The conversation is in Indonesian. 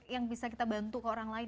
yang bisa kita bantu ke orang lain